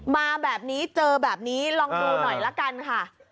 มาแบบนี้เจอแบบนี้ลองดูหน่อยละกันค่ะ